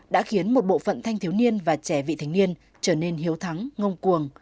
đã khiến một bộ phận thanh thiếu niên và trẻ vị thành niên trở nên hiếu thắng ngông cuồng